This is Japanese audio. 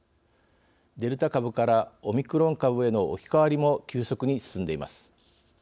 デルタ株からオミクロン株への置き換わりも急速に進んでいます。